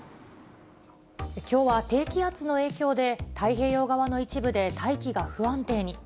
きょうは低気圧の影響で、太平洋側の一部で大気が不安定に。